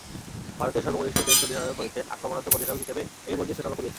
ভারতের সর্বকনিষ্ঠ টেস্ট অধিনায়ক হয়েছেন, আক্রমণাত্মক অধিনায়ক হিসেবে এরই মধ্যে সুনামও কুড়িয়েছেন।